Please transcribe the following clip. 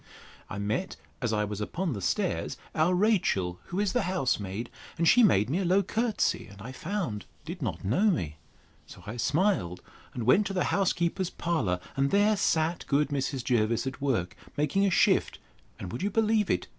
I met, as I was upon the stairs, our Rachel, who is the house maid; and she made me a low courtesy, and I found did not know me. So I smiled, and went to the housekeeper's parlour; and there sat good Mrs. Jervis at work, making a shift: and, would you believe it?